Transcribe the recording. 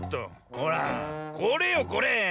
ほらこれよこれ。